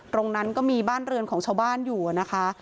ตรงนั้นก็มีบ้านเรือนของชาวบ้านอยู่นะคะ